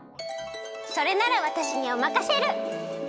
それならわたしにおまかシェル！